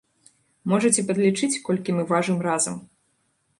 Можаце падлічыць, колькі мы важым разам.